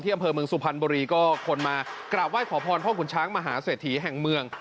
อำเภอเมืองสุพรรณบุรีก็คนมากราบไหว้ขอพรพ่อขุนช้างมหาเศรษฐีแห่งเมือง